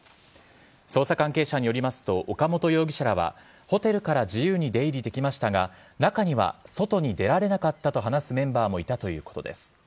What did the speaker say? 捜査関係者によりますと岡本容疑者らはホテルから自由に出入りできましたが中には外に出られなかったと話すメンバーもいたということです。